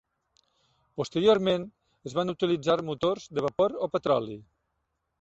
Posteriorment, es van utilitzar motors de vapor o petroli.